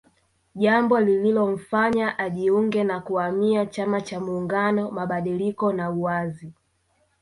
Jambo lililomfanya ajiunge na kuhamia chama cha muungano mabadiliko na uwazi